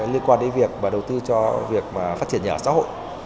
liên quan đến việc và đầu tư cho việc phát triển nhà ở xã hội